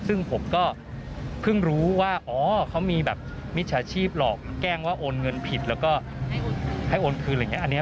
ซึ่งผมก็เพิ่งรู้ว่าเก้งว่าโอนเงินผิดและก็ให้โอนคืนอะไรอย่างนี้